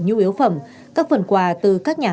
nhu yếu phẩm các phần quà từ các nhà